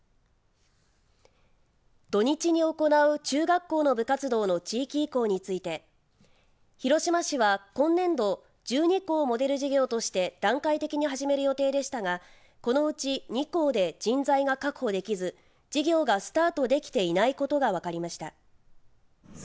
土日に行う中学校の部活動の地域移行について広島市は今年度１２校をモデル事業として段階的に始める予定でしたがこのうち２校で人材が確保できず事業がスタートできていないことが分かりました。